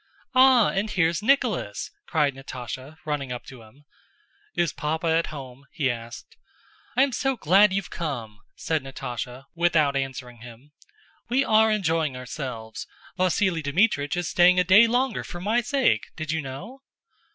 "Ah, and here's Nicholas!" cried Natásha, running up to him. "Is Papa at home?" he asked. "I am so glad you've come!" said Natásha, without answering him. "We are enjoying ourselves! Vasíli Dmítrich is staying a day longer for my sake! Did you know?"